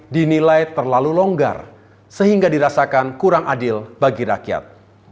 dinilai terlalu longgar sehingga dirasakan kurang adil bagi rakyat